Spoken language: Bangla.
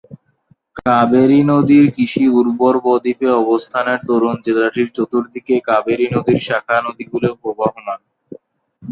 কাবেরী নদীর কৃষি উর্বর বদ্বীপ এ অবস্থানের দরুন জেলাটির চতুর্দিকে কাবেরী নদীর শাখা নদীগুলি প্রবহমান।